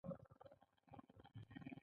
دوی باید خپله پانګه د کار لپاره سره یوځای کړي